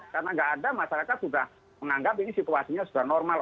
karena nggak ada masyarakat sudah menganggap ini situasinya sudah normal